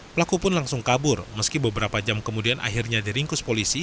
pelaku pun langsung kabur meski beberapa jam kemudian akhirnya diringkus polisi